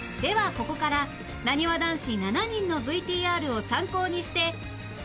ここからなにわ男子７人の ＶＴＲ を参考にして